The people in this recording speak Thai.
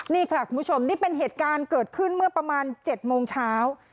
นี่ค่ะคุณผู้ชมนี่เป็นเหตุการณ์เกิดขึ้นเมื่อประมาณ๗โมงเช้า